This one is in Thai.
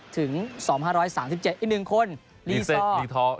ถึง๒๕๓๗อีก๑คนรีซัรรีทอล